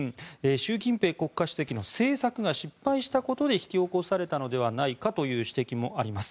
習近平国家主席の政策が失敗したことで引き起こされたのではないかという指摘もあります。